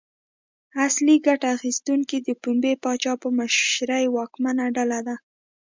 اصلي ګټه اخیستونکي د پنبې پاچا په مشرۍ واکمنه ډله ده.